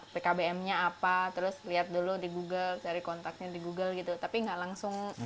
pkbm nya apa terus lihat dulu di google cari kontaknya di google gitu tapi nggak langsung